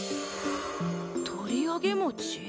とりあげもち？